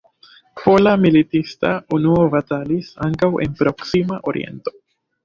Pola militista unuo batalis ankaŭ en Proksima Oriento.